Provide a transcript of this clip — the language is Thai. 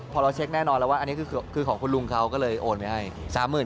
พอเราเช็คแน่นอนแล้วว่าอันนี้คือของคุณลุงเขาก็เลยโอนไว้ให้